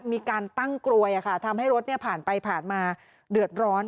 มีการตั้งกลวยทำให้รถผ่านไปผ่านมาเดือดร้อน